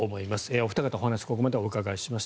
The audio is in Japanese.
お二方お話をここまでお伺いしました。